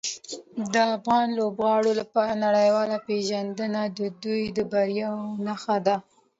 د افغان لوبغاړو لپاره نړیواله پیژندنه د دوی د بریاوو نښه ده.